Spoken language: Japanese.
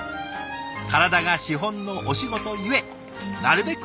体が資本のお仕事ゆえなるべく